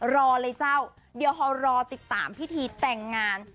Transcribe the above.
รอเลยเจ้าเดี๋ยวเขารอติดตามพิธีแต่งงาน